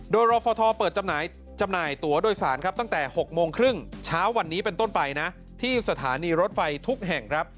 โดยรอฟทเปิดจำหน่ายตัวโดยสารครับตั้งแต่๖โมงครึ่งเช้าวันนี้เป็นต้นไปนะที่สถานีรถไฟทุกแห่งครับ